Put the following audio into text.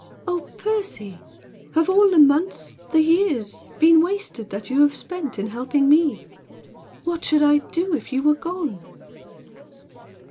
Oh, Percy! Have all the months the years been wasted that you have spent in helping me? What should I do if you were gone?"